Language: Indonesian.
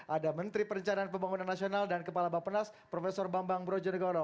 ada menteri perencanaan pembangunan nasional dan kepala bapenas prof bambang brojonegoro